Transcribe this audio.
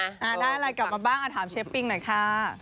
อ่าได้อะไรกลับมาบ้างอ่ะถามเชฟปิงหน่อยค่ะ